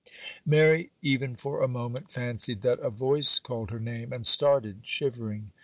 Mary even for a moment fancied that a voice called her name, and started, shivering.